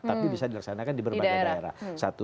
tapi bisa dilaksanakan di berbagai daerah